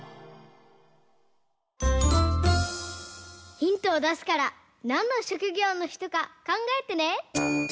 ヒントをだすからなんのしょくぎょうのひとかかんがえてね！